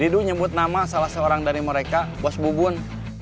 lidu nyebut nama salah seorang dari mereka bos ibu bun